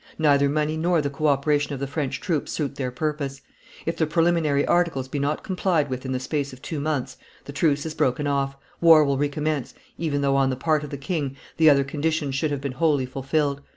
Neither money nor the co operation of the French troops suit their purpose; if the preliminary articles be not complied with in the space of two months, the truce is broken off, war will recommence, even though on the part of the king the other conditions should have been wholly fulfilled.